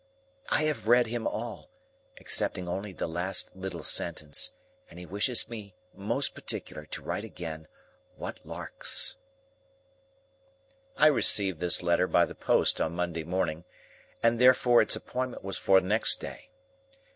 I have read him all, excepting only the last little sentence, and he wishes me most particular to write again what larks." I received this letter by the post on Monday morning, and therefore its appointment was for next day.